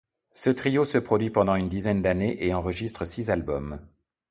Ce trio se produit pendant une dizaine d'années et enregistre six albums.